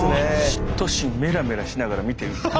嫉妬心メラメラしながら見てるんです。